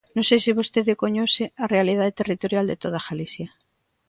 Non sei se vostede coñece a realidade territorial de toda Galicia.